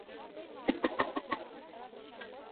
შტაბ-ბინა განთავსებულია სტოკჰოლმში.